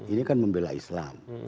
ini kan membela islam